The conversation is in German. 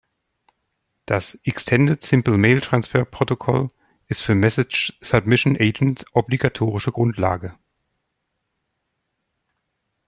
Das Extended Simple Mail Transfer Protocol ist für Message Submission Agents obligatorische Grundlage.